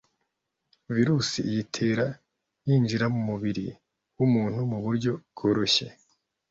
virusi iyitera yinjira mu mubiri w’umuntu muburyo bworoshye